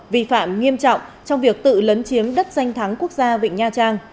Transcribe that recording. vi phạm nghiêm trọng trong việc tự lấn chiếm đất danh thắng quốc gia vịnh nha trang